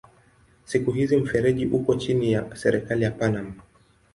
Siku hizi mfereji uko chini ya serikali ya Panama.